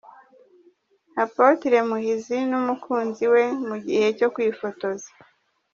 Apotre Muhizi n'umukunzi we mu gihe cyo kwifotoza.